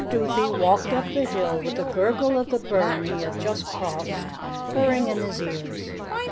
DUTHIE walked up the hill with the gurgle of the burn he had just crossed purring in his ears.